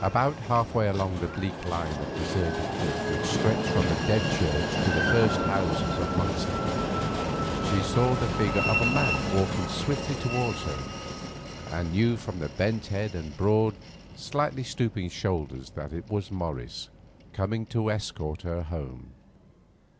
About half way along the bleak line of deserted cliff which stretched from the Dead Church to the first houses of Monksland, she saw the figure of a man walking swiftly towards her, and knew from the bent head and broad, slightly stooping shoulders that it was Morris coming to escort her home.